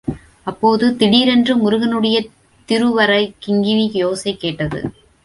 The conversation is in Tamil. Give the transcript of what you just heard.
அப்போது திடீரென்று முருகனுடைய திருவரைக் கிங்கிணி யோசை கேட்டது.